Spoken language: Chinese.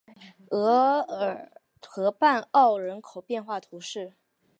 厄尔河畔沃人口变化图示